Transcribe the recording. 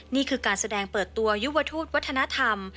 นี่คือการแสดงเปิดตัวยุวทูตวัฒนธรรม